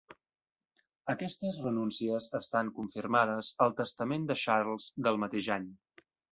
Aquestes renúncies estan confirmades al testament de Charles del mateix any.